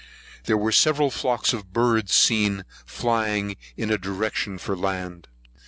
There were several flocks of birds seen flying in a direction for the land.